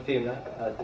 bố tôi ngồi đợi